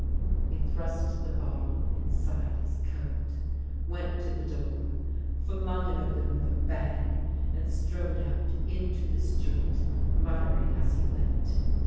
He thrust the bottle inside his coat, went to the door, flung it open with a bang, and strode out into the street, muttering as he went.